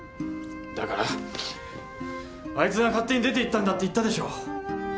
だからあいつが勝手に出て行ったんだって言ったでしょ。